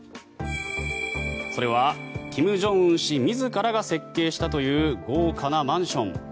それは金正恩氏自らが設計したという豪華なマンション。